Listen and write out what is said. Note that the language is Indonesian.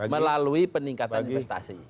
melalui peningkatan investasi